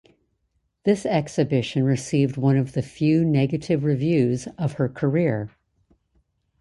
This exhibition received one of the few negative reviews of her career.